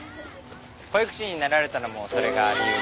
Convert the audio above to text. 保育士になられたのもそれが理由で？